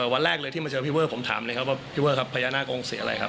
วันแรกเลยที่มาเจอพี่เวอร์ผมถามเลยครับว่าพี่เวอร์ครับพญานาคงเสียอะไรครับ